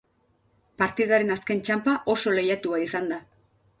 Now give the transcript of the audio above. Partidaren azken txanpa oso lehiatua izan da.